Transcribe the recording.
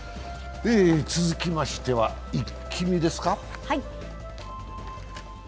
続きましては「イッキ見」ですか。